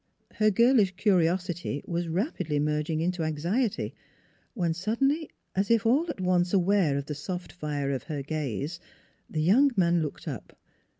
Her girlish curiosity was rapidly merging into anxiety, when suddenly, as if all at once aware of the soft fire of her gaze, the young man looked up.